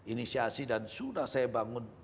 inisiasi dan sudah saya bangun